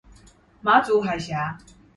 馬祖海峽